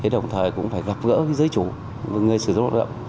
đồng thời cũng phải gặp gỡ giới chủ người sử dụng lao động